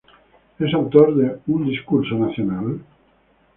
Es autor de "Un discours national?